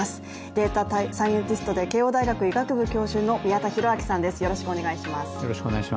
データサイエンティストで慶応大学医学部教授の宮田裕章さんです。